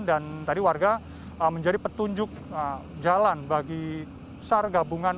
dan tadi warga menjadi petunjuk jalan bagi besar gabungan